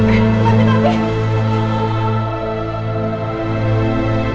eh tapi tapi